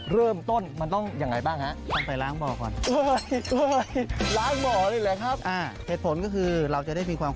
เริ่มต้นมันต้องอย่างไรบ้างฮะ